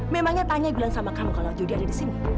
memangnya tanya bulan sama kamu kalau judi ada di sini